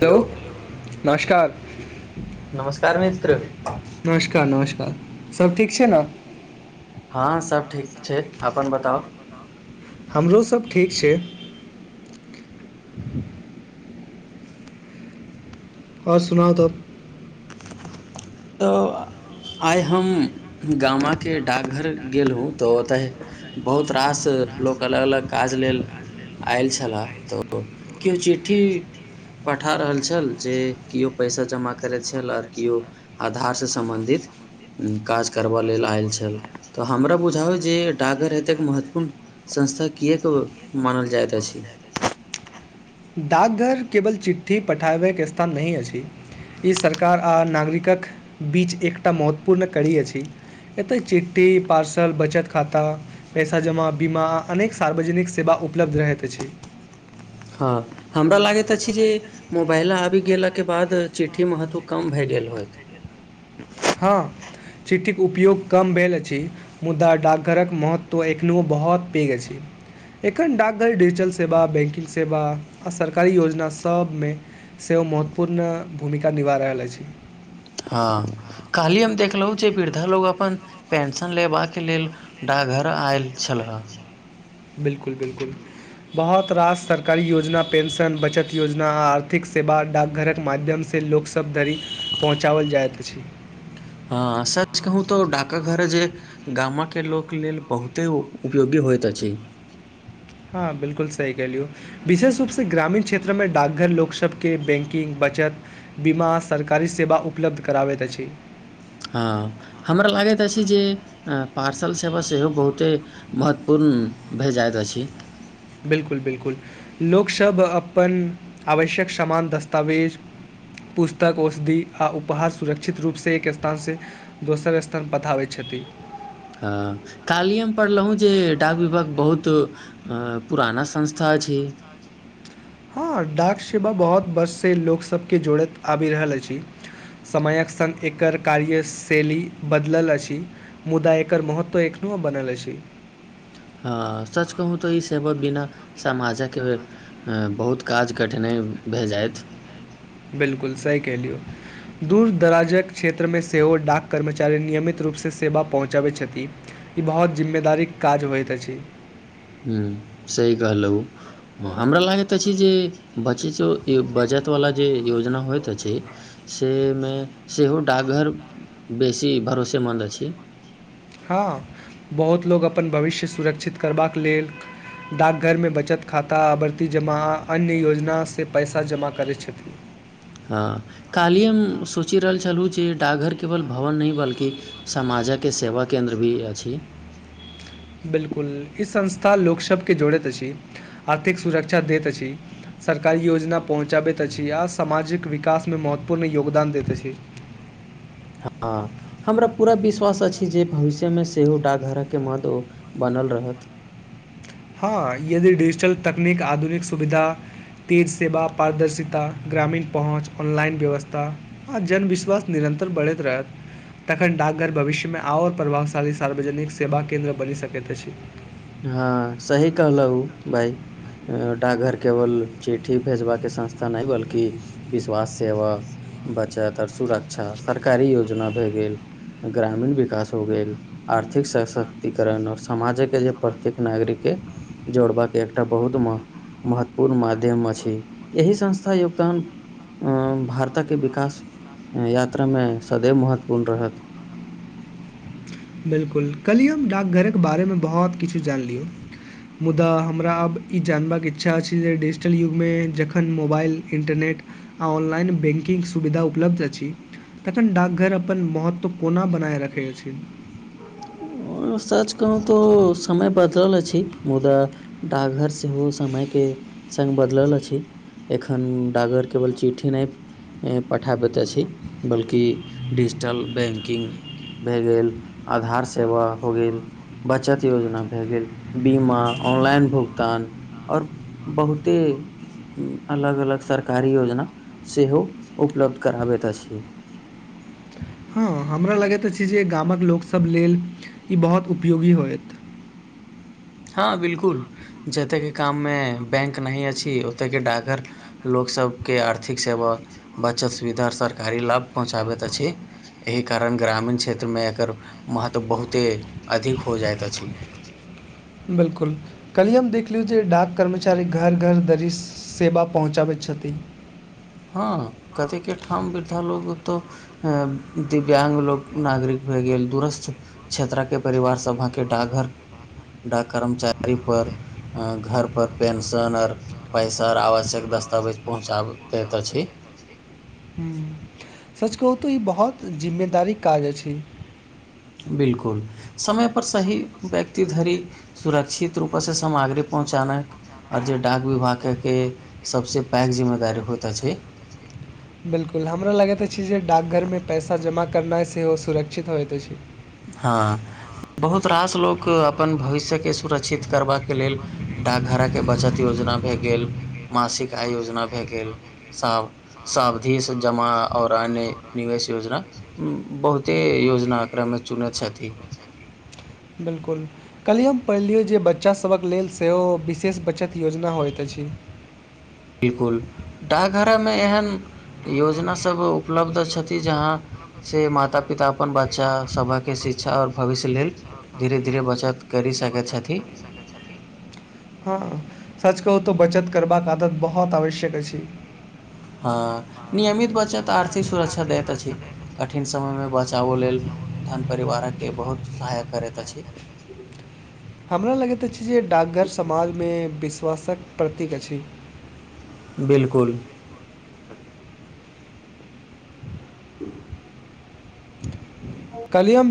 Hello नमस्कार नमस्कार मित्र नमस्कार नमस्कार सब ठीक छै ने हँ सब ठीक छै अपन बताउ हमरो सब ठीक छै आओर सुनाउ तऽ तऽ आइ हम गामाके डाकघर गेलहुँ तऽ ओतय बहुत रास लोक अलग अलग काज लेल आयल छलह तऽ केओ चिठ्ठी पठा रहल छल जे किओ पैसा जमा करैत छल आओर किओ आधार सँ सम्बन्धित काज करबय लेल आयल छल तऽ हमरा बुझउ जे डाकघर एतेक महत्वपूर्ण संस्था किएक मानल जाइत अछि डाकघर केवल चिटठ्ठी पठाबैके स्थान नहि अछि ई सरकार आ नागरिकक बीच एकटा महत्वपूर्ण कड़ी अछि। एतऽ चिट्ठी, पार्सल, बचत खाता। पैसा जमा बीमा आ अनेक सार्वजनिक सेवा उपलब्ध रहैत अछि। हँ हमरा लागैत अछि। जे मोबाइल आबि गेलाक बाद चिट्ठीके महत्व कम भऽ गेल होइत। हँ, चिट्ठीके उपयोग कम भेल अछि। मुदा डाकघरक महत्व एखनहुँ बहुत पैघ अछि। एखन डाकघर डिजिटल सेवा, बैंकिंग सेवा आ सरकारी योजना सभमे। से महत्वपूर्ण भूमिका निभा रहल अछि। हँ, काल्हिए हम देखलहुँ जे वृद्धा लोक अपन। पेंशन लेबाक लेल डाकघर आयल छलै। बिल्कुल बिल्कुल बहुत रास सरकारी योजना, पेंशन, बचत योजना आ आर्थिक सेवा डाकघरके माध्यमसँ। से लोकसभ धरि पहुँचाओल जाइत अछि। हँ, सच कहू तऽ डाकघर जे। गामके लोक लेल बहुते उपयोगी होइत अछि। हँ बिल्कूल सही कहलियौ विशेष रूपसँ ग्रामीण क्षेत्रमे डाकघर लोक सभके बैंकिंग, बचत। बीमा, सरकारी सेवा उपलब्ध करबै छै। हँ, हमरा लगैत अछि जे पार्सल सेवा सेहो बहुते। महत्वपूर्ण भे जाइत अछि। बिल्कूल बिल्कूल, लोकसभ अपन आवश्यक सामान, दस्तावेज। पुस्तक, औषधि आ उपहार सुरक्षित रूपसँ एक स्थानसँ। दोसर स्थान पठबैत छथिन। हँ, काल्हिएमे पढ़लहुँ जे डाक विभाग बहुत। अ पुराना संस्था छै। हँ, डाक सेवा बहुत बरखसँ लोकसभकेँ जोड़ैत आबि रहल अछि। समयके संग एकर कार्यशैली बदलि गेल अछि। मुदा एकर महत्व एखनहुँ बनल छै। हँ, सच कहू तऽ ई सेवाके बिना समाजके। हँ, बहुत काज कठिनाइ भऽ जायत। बिल्कूल सही कै लियौ दूर दराजक क्षेत्रमे सेहो डाक कर्मचारी नियमित रूपसँ सेवा पहुँचबैत छथि। ई बहुत जिम्मेदारीक काज होइत अछि। हँ सही कहलहु हँ, हमरा लागैत अछि जे बचतवला जे योजना होइत अछि। सेमे सेहो डाकघर बेसी भरोसेमन्द अछि। हँ, बहुत लोक अपन भविष्य सुरक्षित करबाक लेल। डाकघरमे बचत खाता, आवर्ती जमा, अन्य योजनासँ पैसा जमा करैत छथिन। हँ, काल्हि हम सोचि रहल छलहुँ जे डाकघर केवल भवन नहि, बल्कि। समाजके सेवा केन्द्र सेहो अछि। बिल्कुल, ई संस्था लोकसभकेँ जोड़ैत अछि, आर्थिक सुरक्षा दैत अछि। सरकारी योजना पहुँचबैत अछि आ सामाजिक विकासमे महत्वपूर्ण योगदान दैत अछि। हँ हमरा पूरा विश्वास अछि जे भविष्यमे सेहो डाकघरक महत्व बनल रहत। हँ, यदि डिजिटल तकनीक, आधुनिक सुविधा। तेज सेवा, पारदर्शिता, ग्रामीण पहुँच आ ऑनलाइन व्यवस्था। आ जनविश्वास निरन्तर बढ़ैत रहत। तखन डाकघर भविष्यमे आओर प्रभावशाली सार्वजनिक सेवा केन्द्र बनि सकैत अछि। हँ सही कहलहु भइ डाकघर केवल चिट्ठी भेजबाके संस्था नहि बल्कि विश्वास सेवा बचत और सुरक्षा सरकारी योजना भए गेल ग्रामीण विकास हो गेल आर्थिक सशक्तिकरण और समाजके जे प्रत्येक नागरिक के जोड़बाक एकटा बहुत महत्व महत्वपूर्ण माध्यम अछि एहि संस्था योगदान भारत के विकास यात्रामे सदैव महत्वपूर्ण रहत बिल्कुल कलही हम डाकघरके बारेमे बहुत किछु जानलियौ मुदा हमरा आब ई जानबाक इच्छा अछि जे डिजिटल युगमे जखन मोबाइल इन्टरनेट ऑनलाइन बैंकिंग सुविधा उपलब्ध अछि तखन डाकघर अपन महत्व कोना बनाए रखैत छथि ओ सच कहु तोऽ समय बदलल अछि मुदा डाकघर सेहो समयके सङ्ग बदलल अछि एखन डाग घर केवल चिठी नहि पठाबैत अछी बल्कि डिजिटल बैंकिंग भए गेल आधार सेवा हो गेल बचत योजना भए गेल बीमा ऑनलाइन भुगतान और बहुते अलग अलग सरकारी योजना सेहो उपलब्ध कराबैत अछि हँ हमरा लगैत अछि जे गामक लोकसब लेल ई बहुत उपयोगी होयत हँ बिलकुल जतेके काममे बैंक नहि अछि ओतयके डाकघर लोकसबके आर्थिक सेवा बचत सुविधा सरकारी लाभ पहुँचाबैत अछि एहि कारण ग्रामीण क्षेत्र मे एकर महत्व बहुते अधिक हो जाइत अछि बिलकुल काल्हि हम देख लियौ जे डाक कर्मचारी घर घर दरि सेवा पहुँचाबैत छथि हँ कतेके ठाम वृद्धा लोग ओतऽ हँ दिव्याङ्ग लोक नागरिक भए गेल दुरस्त क्षेत्रा के परिवार सभा के डाकघर डाक कर्मचारी पर घरपर पेंशन आर पैसा आ आवश्यक दस्तावेज पहुँचाबै तऽ एतऽ छइ ह सच कहू तऽ ई बहुत जिम्मेदारी काज अछि बिलकुल समयपर सही व्यक्ति धरि सुरक्षित रूपस सँ सामग्री पहुँचानक आओर जे डाक विभागके के सबसँ पैघ जिम्मेदारी होइत अछि बिल्कुल हमरा लगैत अछि जे डाकघर मे पैसा जमा करनाइ सेहो सुरक्षित होइत अछि हँ बहुत रास लोक अपन भविष्यके सुरक्षित करबाके लेल डाकघड़ाके बचत योजना भए गेल मासिक आय योजना भए गेल सभ सावधि सँ जमा आर अन्य निवेश योजना उ बहुते योजना एककरामे चुनैत छथिन बिलकुल कल्हिए हम पढ़िलियौ जे बच्चासभक लेल सेहो विशेष बचत योजना होइत अछि बिलकुल डाकघरामे एहन योजना सभ उपलब्ध छथि जहाँ से माता पिता अपन बात बच्चा सभके शिक्षा आओर भविष्य लेल धीरे धीरे बचत करि सकैत छथिन हँ सच कहू तो बचत करबाक आदत बहुत आवश्यक अछि हँ नियमित बचत आर्थिक सुरक्षा दैत अछि कठिन समयमे बचाबो लेल धन परिवार के बहुत सहायक करैत अछि हमरा लगैत अछि जे डाकघर समाज मे विश्वासक प्रतीक अछि बिलकुल ह कलिंह हम